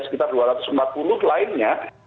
sekitar dua ratus empat puluh lainnya